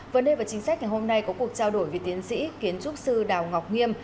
vấn đề và chính sách ngày hôm nay có cuộc trao đổi với tiến sĩ kiến trúc sư đào ngọc nghiêm